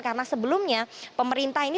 karena sebelumnya pemerintah ini